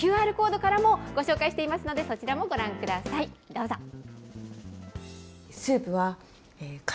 ＱＲコードからもご紹介していますので、そちらもご覧ください、どうぞ。